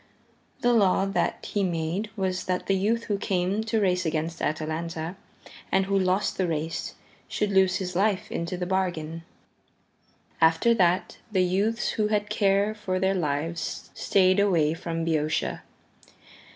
The law that he made was that the youth who came to race against Atalanta and who lost the race should lose his life into the bargain. After that the youths who had care for their lives stayed away from Boeotia.